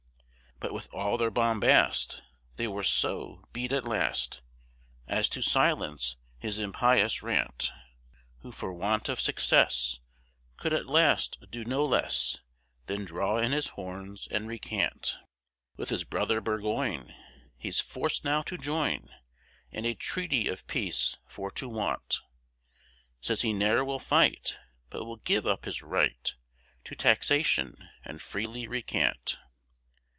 But with all their bombast, They were so beat at last, As to silence his impious rant; Who for want of success, Could at last do no less Than draw in his horns, and recant. With his brother Burgoyne, He's forc'd now to join, And a treaty of peace for to want; Says he ne'er will fight, But will give up his right To taxation, and freely recant.